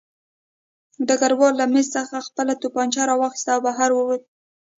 ډګروال له مېز څخه خپله توپانچه راواخیسته او بهر ووت